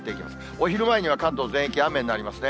お昼前には関東全域雨になりますね。